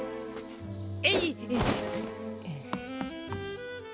えい！